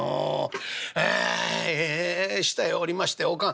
下へ下りましておかん